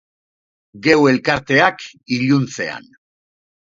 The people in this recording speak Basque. Geu elkarteak, iluntzean.